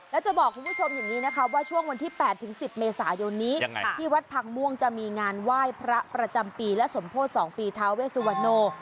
แล้วจะบอกคุณผู้ชมอย่างนี้นะคะว่าช่วงวันที่๘๑๐เมษายนนี้ที่วัดพังม่วงจะมีงานไหว้พระประจำปีและสมโพธิ๒ปีท้าเวสุวรรณโน